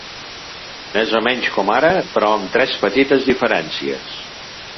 Més o menys com ara, però amb tres petites diferències.